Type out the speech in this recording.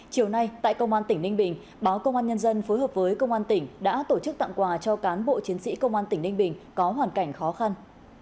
chiều nay tại công an tỉnh ninh bình báo công an nhân dân phối hợp với công an tỉnh đã tổ chức tặng quà cho cán bộ chiến sĩ công an tỉnh ninh bình có hoàn cảnh khó khăn